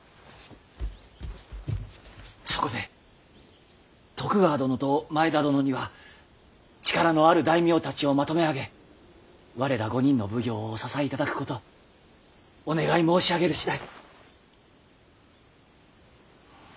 そこで徳川殿と前田殿には力のある大名たちをまとめ上げ我ら５人の奉行をお支えいただくことお願い申し上げる次第。